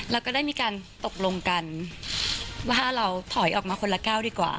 แล้วก็ได้มีการตกลงกันว่าถ้าเราถอยออกมาคนละก้าวดีกว่า